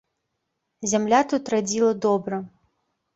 Зямля тут радзіла добра.